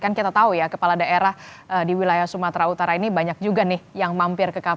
kan kita tahu ya kepala daerah di wilayah sumatera utara ini banyak juga nih yang mampir ke kpk